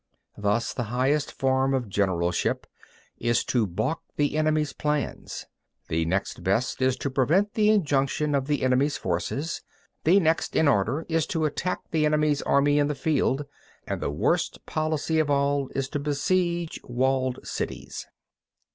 3. Thus the highest form of generalship is to baulk the enemy's plans; the next best is to prevent the junction of the enemy's forces; the next in order is to attack the enemy's army in the field; and the worst policy of all is to besiege walled cities.